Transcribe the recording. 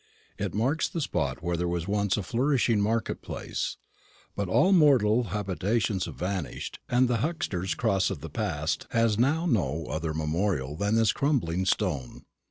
It marks the spot where there was once a flourishing market place; but all mortal habitations have vanished, and the Huxter's Cross of the past has now no other memorial than this crumbling stone.